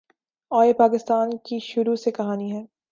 اور یہ پاکستان کی شروع سے کہانی ہے۔